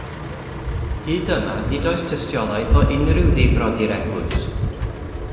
Hyd yma, nid oes tystiolaeth o unrhyw ddifrod i'r eglwys.